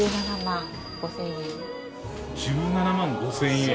１７万５０００円。